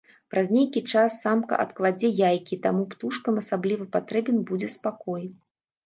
Праз нейкі час самка адкладзе яйкі, таму птушкам асабліва патрэбен будзе спакой.